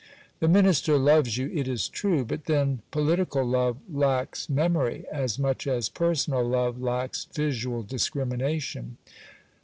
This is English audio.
The minister loves you, it is true ; but then poli tical love lacks memory, as much as personal love lacks visual discrimination.